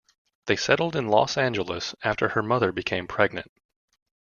They settled in Los Angeles after her mother became pregnant.